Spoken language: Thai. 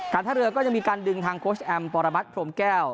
ท่าเรือก็จะมีการดึงทางโค้ชแอมปรมัติพรมแก้ว